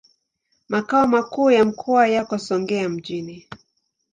Makao makuu ya mkoa yako Songea mjini.